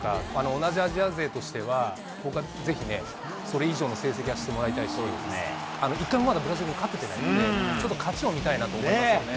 同じアジア勢としては、僕はぜひね、それ以上の成績をしてもらいたいし、一回もまだブラジルに勝ててないので、ちょっと勝ちを見たいなと思いますよね。